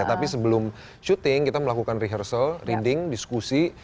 tapi sebelum syuting kita melakukan rehearsal reading diskusi